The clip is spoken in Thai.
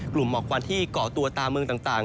กลุ่มเหมาะกว่าที่เกาะตัวตามึงต่าง